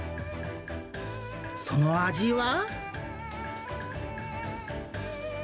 その味は。